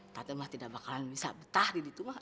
tante mah tidak bakalan bisa betah di ditumah